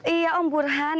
iya om burhan